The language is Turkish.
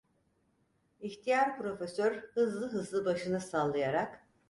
İhtiyar profesör hızlı hızlı başını sallayarak: